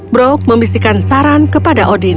brok membisikkan saran kepada odin